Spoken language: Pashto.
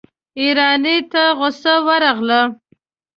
ايراني ته غصه ورغله.